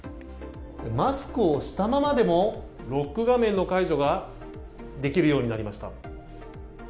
マスクをしたままでもロック画面の解除ができるようになりました。